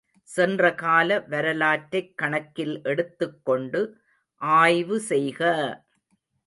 சென்றகால வரலாற்றைக் கணக்கில் எடுத்துக் கொண்டு ஆய்வு செய்க!